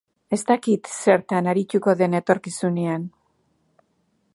Ez daki zertan arituko den etorkizunean.